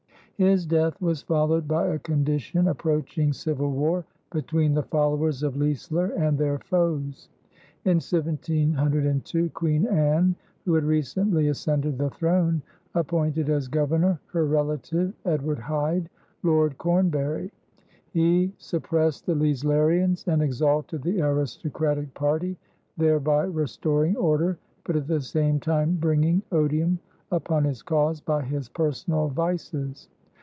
His death was followed by a condition approaching civil war between the followers of Leisler and their foes. In 1702 Queen Anne, who had recently ascended the throne, appointed as Governor her relative, Edward Hyde, Lord Cornbury. He suppressed the Leislerians and exalted the aristocratic party, thereby restoring order but at the same time bringing odium upon his cause by his personal vices.